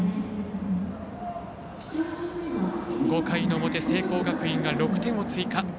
５回の表、聖光学院が６点を追加。